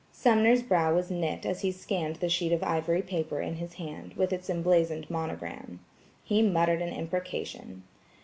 Sumner's brow was knit as he scanned the sheet of ivory paper in his hand, with its emblazoned monogram. He muttered an imprecation.